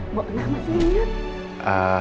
mbok enggak masih ingat